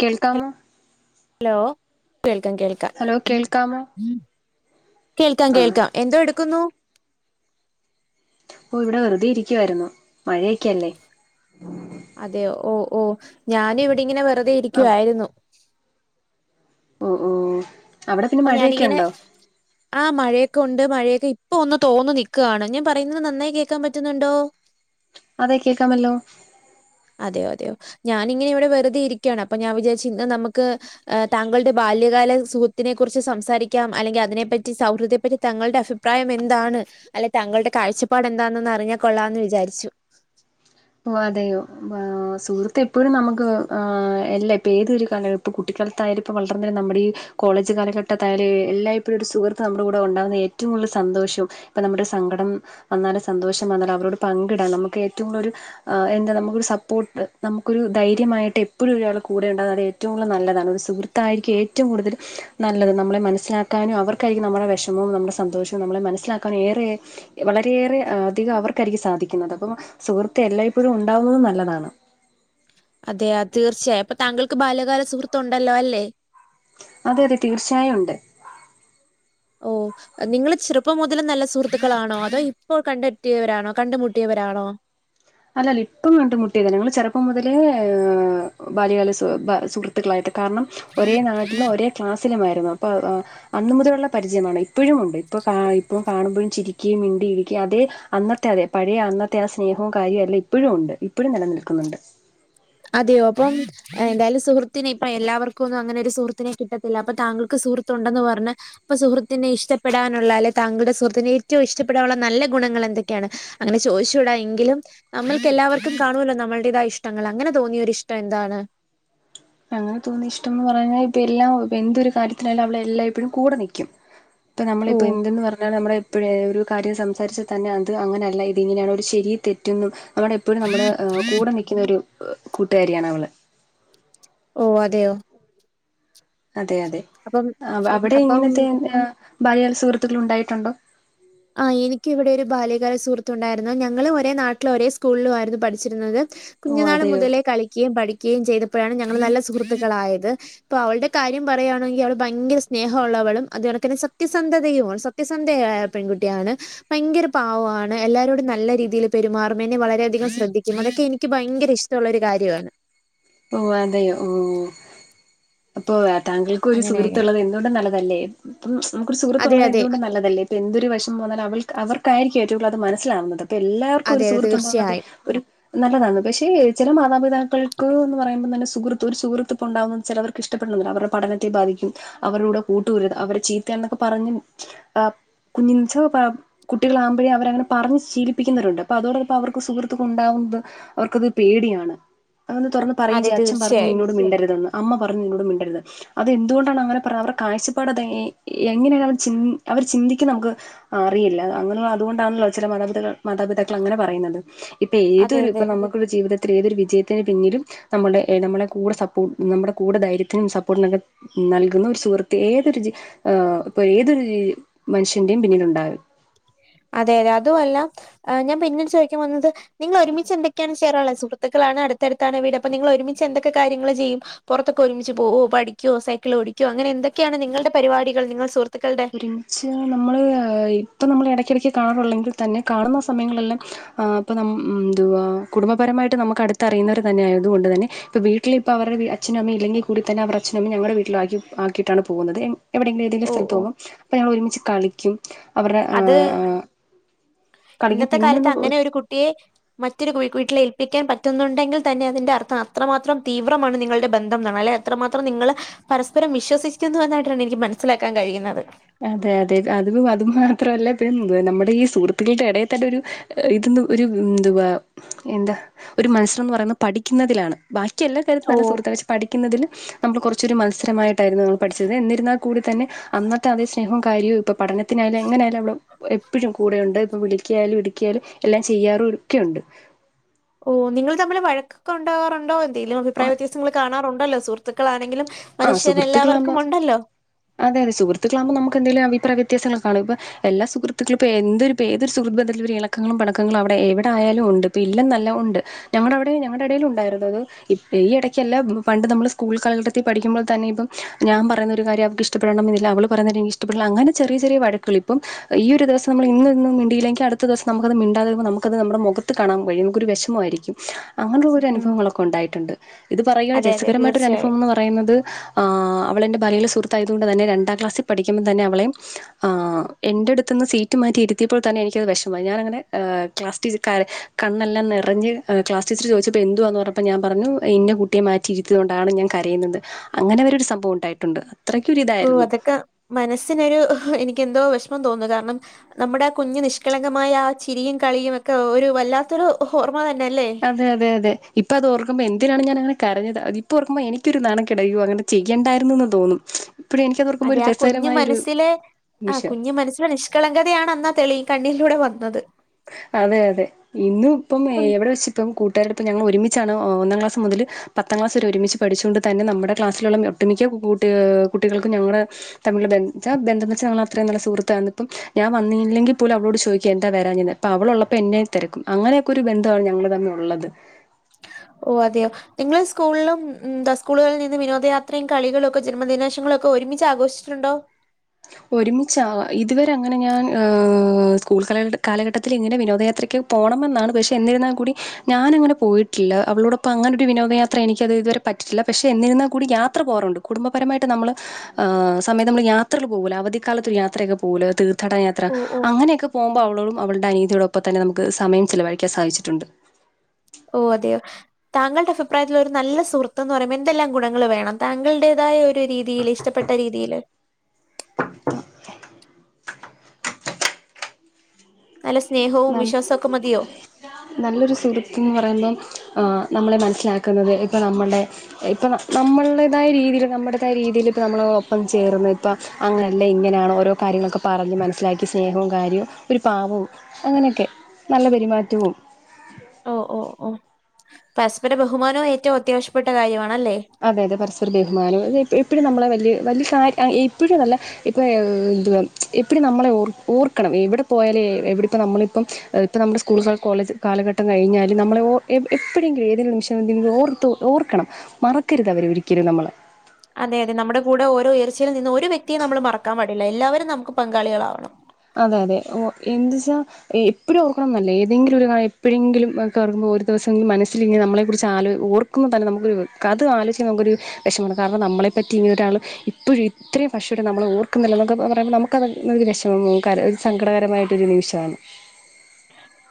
കേൾക്കാമോ ഹലോ കേൾക്കാം കേൾക്ക ഹലോ കേൾക്കാമോ കേൾക്കാം ആഹ് കേൾക്കാം എന്തോ എടുക്കുന്നു ഓ ഇവിടെ വെറുതെ ഇരിക്കുവായിരുന്നു മഴയൊക്കെയല്ലേ അതെയോ ഓ ഓ ഞാനും ഇവിടെങ്ങനെ വെറുതെ ആഹ് ഇരിക്കുവായിരുന്നു ഓ ഓ അവിടെ പിന്നെ അപ്പൊ മഴയൊക്കെ ഞാനിങ്ങനെ ഉണ്ടോ ആ മഴയൊക്കെ ഉണ്ട് മഴയൊക്കെ ഇപ്പൊ ഒന്ന് തോന്നു നിക്കാണ് ഞാൻ പറയുന്നത് നന്നായി കേൾക്കാൻ പറ്റുന്നുണ്ടോ? അതെ കേൾക്കാമല്ലോ. അതെയോ അതെയോ? ഞാനിങ്ങനെ ഇവിടെ വെറുതെ ഇരിക്കുകയാണ് അപ്പൊ ഞാൻ വിചാരിച്ചു ഇന്ന് നമ്മുക്ക് താങ്കളുടെ ബാല്യകാല സു ഹൃത്തിനെ കുറിച്ച് സംസാരിക്കാം അല്ലെങ്കിൽ അതിനെപ്പറ്റി സൗഹൃദത്തെപ്പറ്റി തങ്ങളുടെ അഭിപ്രായം എന്താണ്? അല്ലെ താങ്കളുടെ കാഴ്ചപ്പാട് എന്താന്ന് ഒന്ന് അറിഞ്ഞാൽ കൊള്ളാമെന്ന് വിചാരിച്ചു. ഓ അതെയോ സുഹൃത്ത് എപ്പോഴും നമുക്ക് ആഹ് അല്ല ഇപ്പ ഏതെരു കാല ഇപ്പംകുട്ടിക്കാലത്തായാലും ഇപ്പം വളർന്ന് നമ്മുടെ ഈ കോളേജ് കാലഘട്ടത്തായാലും എല്ലായി പ്പോഴും ഒരു സുഹൃത്ത് നമ്മുടെ കൂടെ ഉണ്ടാകുന്നത് ഏ ഏറ്റവും കൂടുതൽ സന്തോഷം ഇപ്പം നമ്മുടെ സങ്കടം വന്നാലും സന്തോഷം വന്നാലുംഅവരോട് പങ്കിടാൻ നമ്മുക്ക് ഏറ്റവും കൂടുതൽ ഒരു എന്താ നമ്മുക്കൊരു സപ്പോർട്ട് നമ്മുക്കൊരു ധൈര്യമായിട്ട് എപ്പോഴും ഒരാൾ കൂടെ ഉണ്ടന്നറിയാൻ അത് ഏറ്റവും കൂടുതൽ നല്ലതാണ് ഒരു സഹൃ ത്തായിരിക്കും ഏറ്റവും കൂടുതൽ നല്ലത് നമ്മളെ മനസ്സിലാക്കാനും അവർക്കായിരിക്കും നമ്മുടെ വിഷമവും നമ്മുടെ സന്തോഷവും നമ്മളെ മനസ്സിലാക്ക ഏറെ വളരെയേറെ അധികം അവർക്കായിരിക്കും സാധിക്കുന്നത്. അപ്പംസുഹൃ എല്ലായിപ്പോഴും ഉണ്ടാവുന്നതും നല്ലതാണ്. അതെ തീർച്ചയായും അപ്പൊ താങ്കൾക്ക് ബാല്യകാല സുഹൃത്ത് ഉണ്ടല്ലോ അല്ലേ? അതെ അതെ തീർച്ചയായും ഉണ്ട്. ഓ നിങ്ങൾ ചെറുപ്പം മുതലുള്ള നല്ല സുഹൃത്തുക്കളാണോ? അതോ ഇപ്പം കണ്ടെത്തിയവരാണോ കണ്ടുമുട്ടിയവരാണോ? അല്ലല്ല ഇപ്പം കണ്ട് മുട്ടിയതാ. ഞങ്ങള്ചെറുപ്പംമുതലേ ഹ് ബാല്യകാല സു സുഹൃ ത്തുകളായിട്ട് കാരണം ഒരേ നാട്ടിലും ഒരേ ക്ലാസ്സിലുമായിരുന്നു അപ്പൊ അന്നുമുതലുള്ള പരിചയമാണ്. ഇപ്പഴുമുണ്ട് ഇപ്പോ ഇപ്പോൾ കാണുമ്പോഴും ചിരി മിണ്ടിയിരിക്കുക അതെ അന്നത്തെ അതെ പഴയ അന്നത്തെ ആ സ്നേഹവും കാര്യം അല്ല ഇപ്പഴും ഉണ്ട് ഇപ്പഴും നിലനിൽക്കുന്നുണ്ട്. അതെയോ അപ്പം എന്തായാലു സുഹൃത്തിനെഇപ്പം എല്ലാവർക്കും ഒന്നും അങ്ങനെ ഒരു സുഹൃത്തിനെ കിട്ടത്തില്ല. അപ്പം താങ്കൾക്ക് സുഹൃത്തുണ്ടെന്ന് പറഞ്ഞ് ഇപ്പൊ സുഹൃത്തിനെ ഇഷ്ടപ്പെടാനുള്ള അല്ലെ താങ്കളുടെ സുഹൃത്തിനെ ഏറ്റവും ഇഷ്ടപ്പെടാനുള്ള നല്ല ഗുണങ്ങൾ എന്തൊക്കെയാണ്? അങ്ങനെ ചോദിച്ചൂടാ എങ്കിലും നമ്മൾക്ക് എല്ലാവർക്കും കാണുലോ നമ്മുടേതായ ഇഷ്ടങ്ങൾ അങ്ങനെ തോന്നിയ ഒരു ഇഷ്ടം എന്താണ്? അങ്ങനെ തോന്നി ഇഷ്ടം എന്ന് പറഞ്ഞാ ഇപ്പം എല്ലാം എന്തൊരു കാര്യത്തിലായാലും അവള് എല്ലായിപ്പോഴും കൂടെ നിക്കും. ഇപ്പൊ ഓ നമ്മളിപ്പോൾ എന്തെന്ന് പറഞ്ഞാലും നമ്മടെ ഇപ്പഴേ ഒരു കാര്യം സംസാരിച്ചാൽ തന്നെ അത് അങ്ങനെയല്ല ഇത് ഇങ്ങനെയാണ് ഒരു ശരിയും തെറ്റൊന്നും അവള് എപ്പോഴും നമ്മുടെ കൂടെ നിൽക്കുന്നൊരു കൂട്ടുകാരിയാണ് അവള്. ഓ അതെയോ? അതെ അതെ അപ്പം അവിടെ അപ്പം ഇങ്ങനത്തെ ബാല്യകാലസുഹൃത്തുക്കൾ ഉണ്ടായിട്ടുണ്ടോ? ആ എനിക്ക് ഇവിടെ ഒരു ബാല്യകാലസുഹൃത്ത് ഉണ്ടായിരുന്നു. ഞങ്ങളും ഒരേ നാട്ടിലും ഒരേ സ്കൂളിലും ആയിരുന്നു പഠിച്ചിരുന്നത്. ഓ കുഞ്ഞുനാൾ അതെയോ മുതലേ കളിക്കുകയും പഠിക്കുകയും ചെയ്തപ്പോഴാണ് ഞങ്ങള് നല്ല സുഹൃത്തുക്കളായത്. അപ്പൊ അവളുടെ കാര്യം പറയുകയാണെങ്കിൽ അവൾ ഭയങ്കര സ്നേഹമുള്ളവളും അതേണക്കെ തന്നെ സത്യസന്ധതയുമാണ് സത്യസന്ധയായ പെൺകുട്ടിയാണ്. ഭയങ്കര പാവാണ്. എല്ലരോടും നല്ല രീതിയിൽ പെരുമാറും. എന്നെ വളരെയധികം ശ്രദ്ധിക്കും. അതൊക്കെ എനിക്ക് ഭയങ്കര ഇഷ്ട ഷ്ട്ടൊള്ള ഒരു കാര്യാണ്. ഓ അതെയോ ഓ അപ്പൊ താങ്കൾ ഒരു അങ്ങനെ, അങ്ങനെ. സുഹൃത്തുള്ളത് എന്തുകൊണ്ട് നല്ലതല്ലേ? ഇപ്പം നമ്മുക്ക് ഒരു അതെ, സുഹൃത്തുള്ളത് അതെ. എന്തുകൊണ്ടു നല്ലതല്ലേ? ഇപ്പം എന്തൊരു വിഷമം വന്നാലുംഅവൾക്ക് അവർക്കായിരിക്കും ഏറ്റവും കുടുതല് അത് മനസ്സിലാവുന്നത്. ഇപ്പം എല്ലാവർക്കും അതെ, ഒരു അതെ സുഹൃത്ത് ഉണ്ടാകുന്നത് തീർച്ചയായും. ഒരു നല്ലതാണ്. പക്ഷേ ചില മാതാപിതാക്കൾ ത്ത് എന്ന് പറയുമ്പോ തന്നെ സുഹൃത്ത് ഒരു സുഹൃത്ത് ഇപ്പം ഉണ്ടാകുന്നത് ചിലർക്ക് ഇഷ്ടപ്പെടുന്നില്ല. അവരുടെ പഠനത്തെ ബാധിക്കും അവരുടെ കൂട്ടുകൂടരുത് അവര് ചീത്തയാണ് എന്നൊക്കെ പറഞ്ഞ് [unintelligible] കുട്ടികളാവുമ്പഴേ അവരങ്ങനെ പറഞ് ശീലിപ്പിക്കുന്നവരുണ്ട്. അപ്പോ അതോടൊപ്പംഅവർക്ക് സുഹൃത്തുക്കൾ ഉണ്ടാകുമ്പം അവർക്കത് പേടിയാണ്. അതൊന്ന് തുറന്ന് പറയുകയും അതെ ചെയ്യും. അച്ഛൻ പറഞ്ഞ് തീർച്ചയായും. നിന്നോട് മിണ്ടരുതെന്ന് അമ്മ പറഞ്ഞ് നിന്നോട് മിണ്ടരുത്. അതെന്തുകൊണ്ടാണ് അങ്ങനെ പറഞ്ഞത് അവരുടെ കാഴ്ചപ്പാട് അത് എങ്ങനെയാ അവ അവര് പിന്തി ചിന്തിക്കുന്ന നമുക്ക് അറിയില്ല അങ്ങനെ അതുകൊണ്ടാണല്ലോ ചില മാതാപിതാ മാതാപിതാക്കൾ അങ്ങനെ പറയുന്നത് ഇപ്പൊ ഏതൊ അതെ, അതെ. ഇപ്പൊ നമുക്കരു ജീവിതത്തിൽ തൊരു വിജയ ത്തിന് പിന്നിലും നമ്മുടെ നമ്മുടെ കൂടെ സപ്പോ നമ്മുടെ കൂടെ ധൈര്യനും സപ്പോർട്ടിനക്കെ നൽകുന്ന ഒരു സുഹൃത്ത് ഏതൊരു് ഇപ്പൊ ഏതൊരു മനുഷ്യന്റെയും പിന്നില ഉണ്ടാവും അതെതെ അതുവല്ല ഞാൻ പിന്നീട് ചോദിക്കാൻ വന്നത് നിങ്ങൾ ഒരുമിച്ച് എന്തൊെക്കയാണ് ചെയാറുള്ള സുഹൃത്തുക്കളാണ് അടുത്തടുത്താണ് വീട് അപ്പൊ നിങ്ങൾ ഒരുമിച്ച് എന്തക്കെ കാര്യങ്ങൾ ചെയ്യും പുറത്തൊക്കെ ഒരുമിച്ച് പോകോ പഠിക്കോ സൈക്കിൾ ഓടിക്കോ അങ്ങനെ എന്തൊക്കെയാണ് നിങ്ങളുടെ പരിപാടികൾ നിങ്ങൾ സുഹൃത്തുക്കളുടെ ഒരുമിച്ച് നമ്മൾ ഇപ്പൾ നമ്മൾ ഇടയ്ക്കിടയ്ക്ക് കാണുള്ളു എങ്കിൽ തന്നെ കാണുന്ന സമയങ്ങളെല്ലാം ആ അപ്പൊ എതുവാ കുടുംബപരമായിട്ട് നമുക്ക് അടുത്ത്റിയുന്നവർ തന്നെയ ആതുകൊണ്ട് തന്നെ ഇപ്പൊ വീട്ടില ഇപ്പ അവടെ അച്ഛന അമ്മയും ഇല്ലെങ്കിൽ കൂ തന്ന അവ അച്ഛന അമ്മ ഞങ്ങള വീട്ടിലി ആിയിട്ടാണ് പോകുന്നത് എവിെങ്കില തങ്കില ഓ സ്ത്ത് ഓ പോോ അപ്പൊ ഞൾ ഒരുമിച്ച് കളിക്കും അവരുടെ അത് കളിക്കും ഇന്നത്തെ പിന്നെ കാലത്ത് ഒന്ന് അങ്ങനെ ഒരു കുട്ടിയെ മറ്റൊരു വീട്ടിൽ ഏൽപ്പിക്കാൻ പറ്റുന്നുണ്ടെങ്കിൽ തന്നെ അതിന്റെ അർത്ഥം അത്രമാത്രം തീവ്രമാണ് നിങ്ങളുടെ ബന്ധം എന്നാണ് അല്ലെ അത്രമാത്രം നിങ്ങള്ൾ പരസ്പരം വിശ്വസിക്കുന്നു എന്നായിട്ടാണ് എനിക്ക് മനസ്സിലാക്കാൻ കഴിയുന്നത് അതെ അതെ അത് അത് മാത്രല്ല നമ്മുടെ ഈ സുഹൃത്തുക്കളുടെ ഇടയിൽ തല്ല ഒരു ഇത്ന്ന് ഒരു എന്തുവാ എന്താ ഒരു മത്സരംന്ന് പറയുന്നത് പഠിക്കുന്നതിലാണ് ബാക്കി എനി എല്ലാ കാര്യും ഓ നല്ല സുഹൃത്താണ് പക്ഷ പഠിക്കുന്നതിൽ നമ്മൾ കുറച്ചൊ മത്രമായിട്ടായിരുന്നുമ്മൾ പഠിച്ചത് എന്നിുന്നാൽ കൂടി തന്നെ അന്നത്തെ അതേ സ്നേഹവും കാര്യവും ഇപ്പൊ പഠനത്തിനായാലും എങ്ങനെയായാലും അ എപ്പോഴും കൂടെുണ്ട് ഇപ്പൊ വിളിക്കിയാലും ഇടുക്കിയാലും എല്ലാം ചെയ്യാറും ഒക്കെയുണ്ട് ഓ നിങ്ങൾ തമ്മിൽവഴക്കു ണ്ടാകറുണ്ടോ എന്തങ്കും അഭിപ്രായ വ്യത്യാസംങ്ങൾ കാണാറുണ്ടോ സുഹൃത്തക്കളണെങ്കിലും മനുഷ്യൻ എല്ലാവർക്കും ഉണ്ടല്ലോ അതെതെ സഹൃുക്കളക്പ നുക്ക്ന്തെിലുംഭിപ്രായ്യത്യാസങ്ങള് കാും ഇപ്പോ എല്ലാ സുഹൃത്തുക്കളുംപ്പോ എന്തൊരു ഏതൊരുുഹൃു ബന്ധത്തിലൽ ഒരു ഇണക്കങ്ങളും പിണക്കങ്ങളും അവിടെ എവിടെ ആയാലും ഉണ്ട് ഇപ്പ ഇല്ലാം നല്ല ഉണ്ട് ഞങ്ങളുടെ അവിടെ ഞങ്ങളുടെ ഇടയിൽ ഉണ്ടായിരരുന്നു അത് ഈ ഇടയ്ക്കല്ല പണ്ട് നമ്മള് സ്കൂൾ കള പഠിക്കുമോ തന്നെ ഇപ്പം ഞാൻ പറയുന്ന ഒരു കാര്ം അവർക്ക്ഷ്ടപ്പെടണമെന്നില്ല അവള് പറയുന്നത് എനിക്ക്ഇഷ്ടപ്പെടണമെന്നില്ലഅങ്ങനെറ ചറിയ വഴക്കൾ ഇം അപ്പ ഈ ഒരു ദസം നമ്മ ഇന്ന മിയിെങ്ക അത്ത ദിവസം നമുക്കത് മിണ്ടാെോ നമുത് നുടെ മുഖ ത്ത് കാണാൻ കഴിയും നമുക്ക ഒരു വിമമായിരിക്കും അങ്ങനുള്ള ഒരു ഉം. അനുഭവങ്ങളൊക്കെ ഉണ്ടായിട്ടുണ്ട് ഇത് പറയ ഒരു അതെ, അതെ രസരമായിട്ടൊ ഒരു അനുഭവ തീർച്ചയായും. എന്ന് പറയുന്നത് അവളെൻ്റെ ഭലെ സുഹൃത്തായതുക കൊണ്ട് തന്നെ രണ്ടാം ക്ലാസ്സിൽ പഠിക്കുമ്പൾ തന്നെ അവളെയും എന്റെ അടുത്ത് നിന്ന് സീറ്റ് മാറ്റയിരുത്തിയപ്പോൾ തന്നെ എനിക്കത് വിഷമായി ഞാാനങ്ങെ ക്ലാസ് ടീച്ചർക്കർ കണ്ണെല്ലാം നിറഞ് ക്ലാസ്ടീച്ചർ ചോദിച്ചപ്പോൾ എന്തുവാന്ന് പറഞ്ഞപ്പോൾ ഞാൻ പറഞ്ഞു ഇന്ന കുട്ടിയെ മാറ്റിയിരിക്കയ കൊണ്ടാണ് ഞാൻ കരയുന്നത് അങ്ങനെ വരരു സംഭവം ഉണ്ടായിട്ടുണ്ട് ഓ അത്രയ്ക്കൊരിതായിരുന്നു അതൊക്കെ മനസ്സിനൊരു എനിക്ക് എന്തോ വിഷമം തോന്നുന്നു കാരണം നമ്മുടെ കുഞ്ഞ് നിഷ്കളങ്കമായ ആ ചിരിയും കളിയും ഒക്കെ ഒരു വല്ലാത്തൊരു ഹഓർമ തന്നെല്ലേ അതെ അതെതെ ഇപ്പ അത് ഓർക്ക്പോ എന്തിനാണ് ഞാാനങ്ങെ കരഞ്ഞത് ഇപ്പോ ഓർക്ക്പോ എിക്കരു നാണക്കേടാ അങ്ങനെ ചെയ്യേണ്ടായിുന്നന്ന് തോന്നും ഇപ്പഴും എനിക്കത് ഓർക്കുമ്പോ അതെ ഒരു ആ കുഞ്ഞു രസകരമായ ഒരു മനസ്സില് ആ നിമിഷം കുഞ്ഞു മനസ്സില നിഷ കളങ്കതയാണെന്നാ തെളി കണ്ണിലൂടെ വന്നത് അതെ അതെ ഇന്ന ഇപ്പം ഉം. എവിടെ വെച്ച ഇപ്പം കൂട്ടുകാരടെ ഇപ്പം ഞങ്ങൾ ഒരുമിച്ചാണ് ഒന്നാം ക്ലാസ് മുതൽ പത്താം ക്ലാസ് ഒരുമിച്ച് പഠിച്ചുകൊണ്ട് തന്നെ നമ്മുടെ ക്ലാസ്സിലുള്ള ഒട്ടുമിക്ക കുട്ടി കുട്ടികൾക്കും ഞങ്ങള് തമ്മില ബന് ബന്ധംന്നച്ചാൾ അത്രയും നല്ല സുഹൃത്തായിണ് ഇപ്പം ഞാൻ വന്നില്ലെങ്കിൽ പോലും അവളോട് ചോദിക്ക എന്താ വരാഞ്ഞന്ന് അപ്പൊ അവളോള്ളപ്പോ എന്നെ തിരക്കും അങ്ങനെയൊക്കെ ഒരു ബന്ധമാണ് ഞങ്ങള് തമ്മെ ഉള്ളത് ഓ അതെയോ നിങ്ങള് സ്കൂളിലും സ്കൂളുകളിൽ നിന്ന് വിനോദയാത്രയും കളികളും ഒക്കെ ജന്മദിനാശങ്ങളും ഒക്കെ ഒരുമിച്ച് ആഘോഷിച്ചിട്ടുണ്ടോ ഒരുമിച്ച് ഇതുവരെ അങ്ങനെ ഞാൻ സ്കൂൾ ക കാലഘട്ടത്തിൽ ഇങ്ങനെ വിനോദയാത്രയ്ക്ക് പോകണമെന്നാണ് പക്ഷേ എന്നിരുന്നാൽ കൂടി ഞാനങ്ങനെ പോയിട്ടില്ല അവളോടൊപ്പം അങ്ങനെൊ ഒരു വിനോദയാത്ര എനിക്കത് ഇതുവരെ പറ്റിട്ടില്ല പക്ഷെ എന്നിരുന്നാൽ കൂടി യാത്ര പോകറുണ്ട് കുടുംബപരമായിട്ട് നമ്മൾ് സമയം നമ്മൾ യാത്ര പോവൂല അവധിക്കാലത്ത് ഒരു യാത്രയൊക്കെ പോവൂല തീർത്ഥട യാത്ര ഓ, ഓ. അങ്ങനെയൊക്കെ പോകുമ്പൾ അവളോടും അവൾടെ അനിയത്തിയോടൊപ്പതന്നെ നമുക്ക് സമയം ചിലവഴിക്കാൻ സാധിച്ചിട്ടുണ്ട് ഓ അതെയോ താങ്കളുടെ അഭിപ്രായത്തിൽ ഒരു നല്ല സുഹൃത്ത് എന്ന് പറയുമ്പോ എന്തെല്ലാം ഗുണങ്ങൾ വേണം താങ്കൾടേതായ ഒരു രീതിൽ ഇഷ്ടപ്പെട്ട രീതിയില് [inaudible] നല്ല സ്നേഹവും വിശ്വാസഒക്കെ മതിയോ നല്ലൊരു സുഹൃത്ത് എന്ന് പറയുമ്പം ആ നമ്മളെ മനസ്സിലാക്കുന്നത് ഇപ്പൊ നമ്മടെ ഇപ്പൊ നമ്മുൽടേതായ രീതിയിൽ നമ്മുടതായ രീതിയിൽ ഇപ്പ നമ്മള് ഒപ്പം ചേർന്ന് ഇപ്പം അങ്ങനെയെല്ല ഇങ്ങനെയാണ് ഓരോ കാര്യങ്ങളൊക്കെ പറഞ്ഞ് മനസ്സിലാക്കി സ്നേഹവും കാര്യവും ഒരു പാവവും അങ്ങനെയൊക്കെ നല്ല പെരുമാറ്റവും ഓഹ് ഓഹ് ഓഹ് പരസ്പര ബഹുമാനവും ഏറ്റവും അത്യാവശ്യപ്പെട്ട കാര്യമാണല്ലേ അതെയതെ പരസ്പര തീരുമാനം അതെ എപ്പോഴും നമ്മളെ വലിയ വലിയ കാ എപ്പോഴും അല്ല ഇപ്പൊ എന്തുവാ എപ്പടി നമ്മളെർ ഓർക്കണം എവിടെ പോയാലേ എവിടിപ്പ നമ്മളിപ്പം ഇപ്പോൾ നമ്മുടെ സ്കൂളുകൾ കോളേജ് കാലഘട്ട കഴിഞ്ഞാലും നമ്മൾ ഓ ഏഹ് എപ്പോഴെങ്കിലും ഏതെങ്കിലും നിമിഷം എന്തെങ്കില ഓർത്ത് ഓർക്കണം മറക്കരുത് അവര് ഒരിക്കലും നമ്മളെ അതെ അതെ നമ്മുടെ കൂടെ ഓരോ ഉയർച്ചയിൽ നിന്ന് ഒരു വ്യക്തിയ നമ്മൾ മറക്കാൻ പാടില്ല എല്ലാവരും നമുക്ക് പങ്കാളികളാവണം അത അതെ ഓ എന്ത്ച്ചാ എപ്പോഴ ഓർക്കണംന്നല്ല ഏതെങ്കിലും ഒരു കാ എപ്പഴെങ്കിലും ഒെ ഓർുമ്പോ ഒരു ദിവസം മനസ്സൽ ഇങ്ക നമ്മളെ കുറിച്ച് ആ ഓ നക്കുന്ന തന്നെ നമുക്കോരു അത് ആലോചിക്കച്ച് നമുക്ക്രു വിഷമാണ് കാരണം നമ്മളെ പറ്റി ഇങ്ങ ഒരാൾ ഇപ്പോഴും ഇത്രയും വർഷായിട്ട് നമ്മൾ ഓർക്കുന്നല്ലോ നമ്മക്ക് എന്നൊക്ക പറയുമ്പോൾ നമുക്കത് ര കര സങ്കടകരമായിട്ടൊരു നിമിഷണ്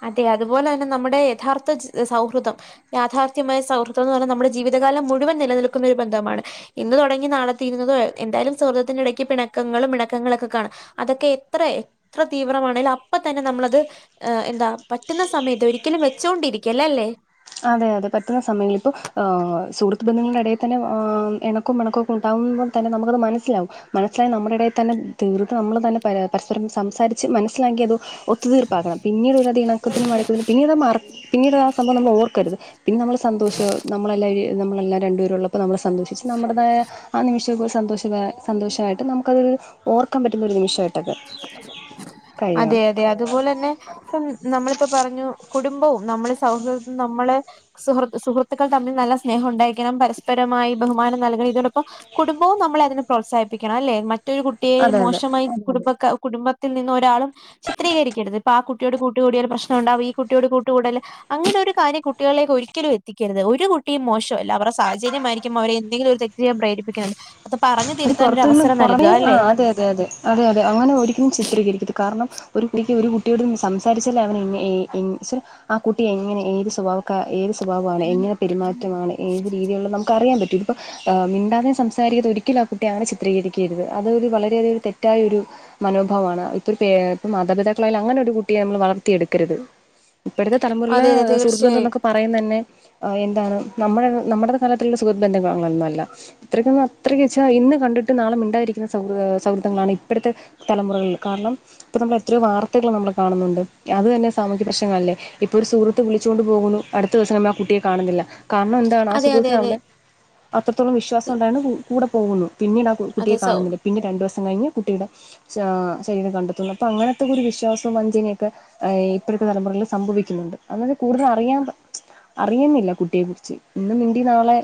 അതെ അതുപോലെ തന്നെ നമ്മുടെ യഥാർത്ഥ സൗഹൃദം യാഥാർത്ഥ്യമായ സൗഹൃദം എന്ന് പറഞ്ഞാൽ നമ്മുടെ ജീവിതകാലം മുഴുവൻ നിലനിൽക്കുന്ന ഒരു ബന്ധമാണ് ഇന്ന് തുടങ്ങി നാളെതീരുന്നത് എന്തായാലും സുഹൃദത്തിന്റെ ഇടയ്ക്ക് പിണക്കങ്ങളും മിണക്കങ്ങളും കാണാം അതൊക്കെ എത്ര എത്ര തീവ്രമാണെങ്കിലും അപ്പ തന്നെ നമ്മളത് എ താ പറ്റുന്ന സമയത്ത് ഒരിക്കലും വെച്ചൊണ്ടിരിക്കല്ല് അല്ലേ അതെ അതെ പറ്റുന്ന സമയങ്ങൾ സുഹൃത്ത് ബന്ധങ്ങളുടെ ഇടയിൽ തന്നെ എ എണ ഒക്ക മണക്കെണ്ടാവുമ്പോ തന്നെ നമുകത് മനസ്സിലാവും മനസ്സിലായി നമ്മുടെ ഇടയിൽ തന്നെ തീർത്ത് നമ്മൾ തന്നെ പരാ പരസ്പരം സംസാരിച്ച് മനസിലാക്കി അത് ഒത്തു തീർപ്പാക്കണം പിന്നീട് ഉള്ള ഇണക്കത്തിനും മഴക്കത്തിനും പിന്നീട് മറ പിന്നീട് ആ സംഭവം നമ്മൾ ഓർ രുത് പിന്നെ നമ്മൾ സന്തോഷം നമ്മളെല്ലാവ നമ്മളെല്ല രണ്ടുപേരള്ളപ്പോ നമ്മൾ സന്തോഷിച്ച് നമ്മടതായ ആ നിമിഷം സന്തോഷ സന്തോഷാ യിട്ട് നമുക്കതൊരു ഓർക്കാൻ പറ്റുന്ന ഒരു നിമിഷമ തക കയാ അതെ അതെ അതുപോലെന്നെ നമ്മളിപ്പോ പറഞ്ഞു കുടുംബവും നമ്മുടെ സൗഹൃദും നമ്മളെ സുഹൃ സുഹൃത്തുക്കൾ തമ്മിൽ നല്ല സ്നേഹം ഉണ്ടായിക്കണം പരസ്പരമായി ബഹുമാനം നൽകണം ഇതോടൊപ്പം കുടുംബവും നമ്മളെ അതിനെ പ്രോത്സാഹിപ്പിക്കണം അല്ലേ മറ്റൊരു കു കുട്ടിയെ അതെ, അതെ. മോശമായി കുടുംബ കുടുംബത്തിൽ നിന്ന് ഒരാളും ചിത്രീകരിക്കരുത് അപ്പം ആ കുട്ടിയോട് കൂട്ടുകൂടിയാൽ പ്രശ്ം ഉണ്ടാവും ഈ കുട്ടിയോട് കൂട്ടുകൂടല്ല് അങ്ങനെ ഒരു കാര്യം കുട്ടികളിലേക്ക് ഒരിക്കലും എത്തിക്കരുത് ഒരു കു ട്ടിയും മോശമല്ല അവരുടെ സാഹചര്യമായിരിക്കും അവരെ എന്തെങ്കിലും ഒരു തെറ്റ് പ്രേരിപ്പിക്കുന്നത് അത് പറഞ്ഞു അത് തിരുത്താൻ ഒരു പൊറത്തുനിന്ന് അവസരം പുറ നൽകുക അല്ലെ ആഹ് അതെ അതെ അതെ അതെ അതെ അങ്ങനെ ഒരിക്കലും ചിത്രീകരിക്കരുത് കാരണം ഒരു കുട്ടിക്ക് ഒരു കുട്ടിയോട് സംസാരിചാൽ അവൻ എങ് എ എ ആ കുട്ടി എങ്ങനെ ഏത് സ്വഭാവം ക ഏത് സ്വഭാവമാണ് എങ്ങനെ പെരുമാറ്റമാണ് ഏത് രീതിയുള്ള നമുക് കറിയാൻ പറ്റും ഇപ്പം മിണ്ടാതെയും സംസാരിക്കാതെയും ഒരുക് ഒരിക്കലും ആ കുട്ടിയ അങ്ങനെ ചിത്രീകരിക്കരുത് അതൊരു വളരെയധികം ഒരു തെറ്റായ ഒരു മനോഭാവാണ് ഇപ്പൊ പേ മാതാപിതാക്കളായാലും അങ്ങനെ ഒരു കുട്ടിയെ നമ്മള് വളർത്തി എടുക്കരുത് ഇപ്പഴത്തെ തലമുറയിലെ അതെ അതെ സുഹൃത്ത് തീർച്ചയായും ബന്ധോനൊക്കെ പറയുന്നന്നെ എന്താണ് നമ്മുടെ നമ്മുടെ തലത്തിലുള്ള സുഹൃബന്ധങ്ങളൊന്നും അല്ല അത്രകൊന്നും അത്രക്ക് വെച്ച ഇന്ന് കണ്ടിട്ട് നാളെ മിണ്ടാതിരിക്കുന്ന സൗഹൃ സൗഹൃദങ്ങളാണ് ഇപ്പഴത്തെ തലമുറകളിൽ കാരണം ഇപ്പൊ നമ്മൾ എത്രയോ വാർത്തകൾ നമ്മൾ കാണുന്നുണ്ട് അത് തന്നെ സാമൂഹ്യ പ്രശനങ്ങളല്ലേ ഇപ്പൊ ഒരു സുഹൃത്ത് വിളിച്ചൊണ്ട് പോകുന്നു അടുത്ത ദിവസം നമ്മളാ ആഹ് കുട്ടിയെ കാണുന്നില്ല കാരണം എന്താണ് ആ അതെ അതെ സുഖൃത്തിന് അവനെ അതെ അത്രത്തോളം വിശ്വാസം ഉണ്ടായന്ന് കൂ കൂടെ പോകുന്നു പിന്നീട് അ കു അതെ കുട്ടിയെ സൗ കാണുന്നില്ല പിന്നെ രണ്ടു ദിവസം കഴിഞ്ഞ് കുട്ടിയുടെ ച്ച ശരം കണ്ടെത്തുന്നു അപ്പൊ അങ്ങനത്തെക്കെ ഒരു വിശ്വാസവും വഞ്ചനയൊക്കെ എയ് ഇപ്പോഴത്തെ തലമുറകിൽ സംഭവിക്കുന്നുണ്ട് അങ്ങനെ കൂടുതൽ അറിയാൻ പ അറിയുന്നില്ല കുട്ടിയെ കുറിച്ച് ഇന്ന് മിണ്ടി നാളെ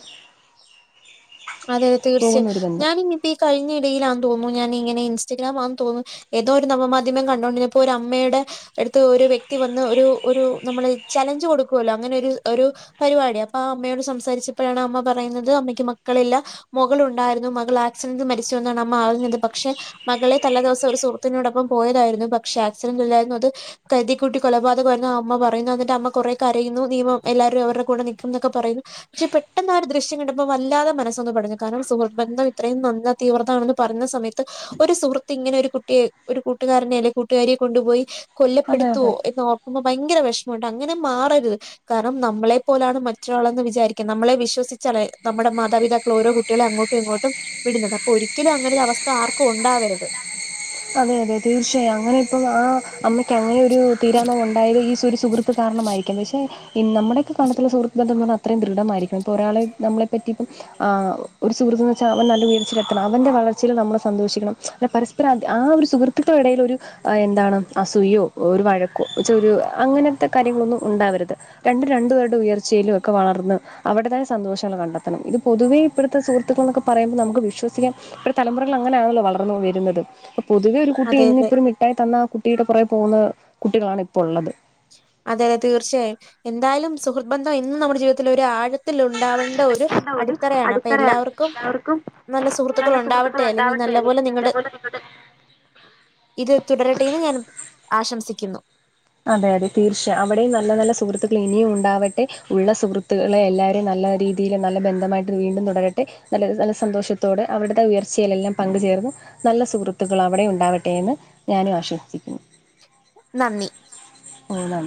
അതെത തീർച്ചയായും പോകുന്ന ഒരു ബന്ധം ഞാനിനിയിപ്പോ ഈ കഴിഞ്ഞ ഇടയിയിലാന്ന് തോന്നുന്നു ഞാനിങ്ങനെ ഇൻസ്റ്റഗ്രാം ആന്ന് തോന്നുന്നു ഏതോ ഒരു നവമാധ്യമം കണ്ടുകോണ്ടിന്നപ്പോ ഒരു അമ്മയുടെ എടുത്ത് ഒരു വ്യക്തി വന്ന് ഒരു ഒരു നമ്മള് ചലഞ്ച് കൊടുക്കുവല്ലോ അങ്ങനെ ഒരു ഒരു പരിപാടി അപ്പൊ ആ അമ്മയോട് സംസാരിച്ചപ്പോഴാണ് അമ്മ പറയുന്നത് അമ്മയ്ക്ക് മ മക്കളില്ല മുകളുണ്ടായിരുന്നു മകൾ ആക്സിഡന്റ് മരിച്ചു എന്നാണ് അമ്മ അറിഞ്ഞത് പക്ഷെ മകളെ തല ദിവസം ഒരു സുഹൃത്തിനോടൊപ്പം പോയതായിരുന്നു പക്ഷെ ആക്സിഡന്റ് അല്ലായിരുന്നു അത് കരുതി കൂട്ടി കൊലപാതകംമായിരുന്നു ആ അമ്മ പറയുന്നു അതിന്റെ അമ്മ കൊറേ കരയുന്നു നിയമം എല്ലാവരും അവരുടെ കൂടെ നിൽക്കും എന്നൊക്കെ പറയുന്നു പക്ഷെ പെട്ടെന്ന് ആഹ് ഒരു ദൃശ്യം കണ്ടപ്പോ വല്ലാതെ മനസ്സൊന്ന് പെടഞ്ഞു കാരണം സുഹൃബന്ധം ഇത്രയും നന്ദ തീവ്രതമാണെന്ന് പറഞ്ഞുന്ന സമയത്ത് ഒരു സുഹൃത്ത് ഇങ്ങനെ ഒരു കുട്ടിയെ ഒരു കൂട്ടുകാരനെ അല്ലെങ്ക കൂട്ടുകാരിയെ കൊണ്ടുപോയി അതെ കൊല്ലപ്പെടുത്തോ അതെ എന്ന് ഓർക്കുമ്പോ ഭയങ്കര വിഷമുണ്ട് അങ്ങനെ മാറരുത് കാരണം നമ്മളെ പോലാണ് മറ്റൊരാളെന്ന് വിചാരിക്കുന്നത് നമ്മളെ വിശ്വസിച്ചാലെ നമ്മുടെ മാ താപിതാക്കൾ ഓരോ കുട്ടികളെ അങ്ങോട്ടും ഇങ്ങോട്ടും വിടുന്നത് അപ്പോ ഒരിക്കലും അങ്ങനൊരു അവസ്ഥ ആർക്കും ഉണ്ടാവരുത് അതെ അതെ തീർച്ചയായും അങ്ങനെ ഇപ്പം ആ അമ്മയ്ക്ക് അങ്ങനെ ഒരു തീരനോവ് ഉണ്ടായത് ഈ സുരു സുഹൃത്ത് കാരണമായിരിക്കാം പക്ഷെ നമ്മുടെക്കെ ഈ കാണതുള്ള സുഹൃത്ത് ബന്ധം പർഞ്ഞാ അ അത്രയും ദൃഢമായിരിക്കും ഇപ്പോൾ ഒരാളെ നമ്മളെപ്പറ്റി ഇപ്പം ആ ഒരു സുഹൃത്തുന്ന് വെച്ചാ അവൻ നല്ല ഉയർച്ചെത്തണം അവൻന്റെ വളർച്ചയിൽ നമ്മള് സന്തോഷിക്കണം അല്ല പരസ്പരാ ആഹ് ഒരു സുഹൃത്തുക്കളേടയിൽ ഒരു എന്താണ് അസുയോ ഒരു വഴക്കോ ച ഒരു അങ്ങനത്തെ കാര്യങ്ങളൊന്നും ഉണ്ടാവരുത് രണ്ട് രണ്ടുപേരുടെ ഉയർച്ചയിലും ഒക്കെ വളർന്ന് അവിടതായ സന്തോഷങ്ങൾ കണ്ടെത്തണം ഇത് പൊതുവേ ഇപ്പോഴത്തെ സുഹൃത്തുക്കൾ എന്നൊക്കെ പറയുമ്പോ നമുക്ക് വിശ്വസിക്കാം ഇപ്പ തലമുറകൾ അങ്ങനാണല്ലോ വളർന്നു വരുന്നത് പൊതുവെ ഒരു കുട്ടി അതെ അതെ ഇന്നിപ്പരു മിഠായി തന്ന ആ കുട്ടിയുടെ പുറകെ പോകുന്ന കുട്ടികളാണ് ഇപ്പോൾ ഉള്ളത് അതെ അതെ തീർച്ചയായും എന്തായാലും സുഹൃബന്ധം ഇന്നും നമ്മുടെ ജീവിതത്തിൽ ഒര് ആഴ ആഴത്തിൽ ഉണ്ടാവേണ്ട ഒരു അടിത്തറയാണ് അപ്പൊ എല്ലാവർക്കും നല്ല സുഹൃത്തുക്കൾ ഉണ്ടാവട്ടെ അല്ലെങ്കിൽ നല്ല പോലെ നിങ്ങട് ഇത് തുടരട്ടെന്ന് ഞാനും ആശംസിക്കുന്നു അതെ അതെ തീർച്ച അവിടെയും നല്ല നല്ല സുഹൃത്തുക്ലിനിയും ഉണ്ടാവട്ടെ ഉള്ള സുഹൃ ത്തുകളെ എല്ലാവരും നല്ല രീതിയിൽ നല്ല ബന്ധമായിട്ട് വീണ്ടും തുടരട്ടെ നല്ല നല്ല സന്തോഷത്തോടെ അവിടതെ ഉയർച്ചയിലെല്ലാം പങ്കുചേർന്നു നല്ല സുഹൃത്തുക്കൾ അവിടെ ഉണ്ടാവട്ടെ എന്ന് ഞാനും ആശംസിക്കുന്നു നന്ദി ആഹ് ന